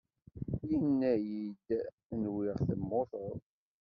Yenna-iyi-d nwiɣ temmuteḍ.